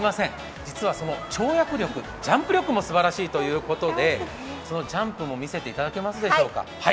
実は跳躍力、ジャンプ力もすばらしいということでジャンプも見せていただけますでしょうか。